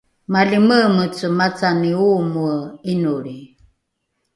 malimeemece macani oomoe ’inolri